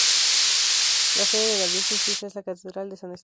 La sede de la Diócesis es la Catedral de San Esteban.